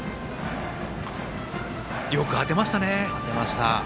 よく当てましたね。